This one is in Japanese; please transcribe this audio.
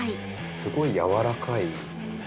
すごいやわらかい。